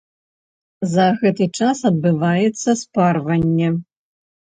За гэты час адбываецца спарванне.